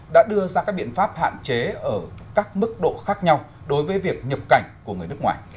đã đưa ra các biện pháp hạn chế ở các mức độ khác nhau đối với việc nhập cảnh của người nước ngoài